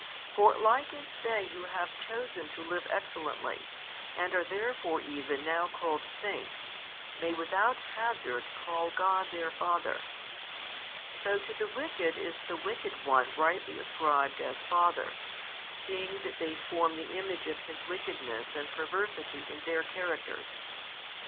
For like as they who have chosen to live excellently, and are therefore even now called saints, may without hazard call God their Father, so to the wicked is the wicked one rightly ascribed as father, seeing that they form the image of his wickedness and perversity |641 in their characters.